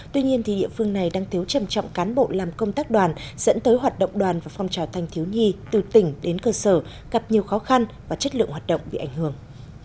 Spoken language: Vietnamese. tuy nhiên địa phương này đang thiếu trầm trọng cán bộ làm công tác đoàn dẫn tới hoạt động đoàn và phong trào thanh thiếu nhi từ tỉnh đến cơ sở gặp nhiều khó khăn và chất lượng hoạt động bị ảnh hưởng